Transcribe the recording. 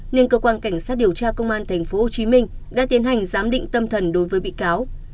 nên cơ quan cảnh sát điều tra công an tp hcm đã tiến hành giám định tâm thần đối với bị cáo